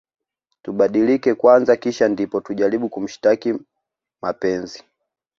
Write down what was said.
Tubadilike kwanza kisha ndipo tujaribu kumshtaki mapenzi